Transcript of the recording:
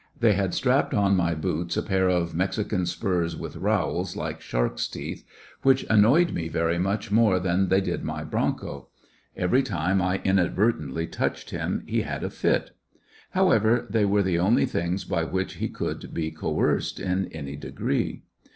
They had strapped on my boots a pair of Mexican spurs with rowels like sharks' teethj which annoyed me very much more than they did my bronco. Every time I inadvertently touched him he had a fit However^ they were the only things by which he could be coerced in any degree.